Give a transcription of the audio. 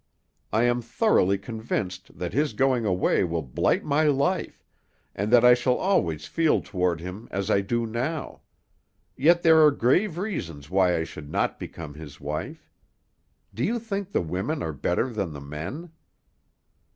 I am thoroughly convinced that his going away will blight my life, and that I shall always feel toward him as I do now; yet there are grave reasons why I should not become his wife. Do you think the women are better than the men?"